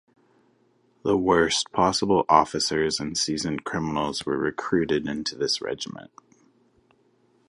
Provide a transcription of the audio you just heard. The worst possible officers and seasoned criminals were recruited into this regiment.